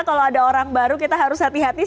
kalau ada orang baru kita harus hati hati